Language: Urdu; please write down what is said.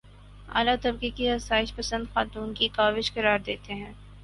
اعلیٰ طبقے کی آسائش پسند خاتون کی کاوش قرار دیتے ہیں